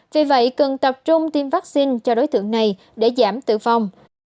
vì vậy cần tập trung tiêm vaccine cho đối tượng này để giảm tử phong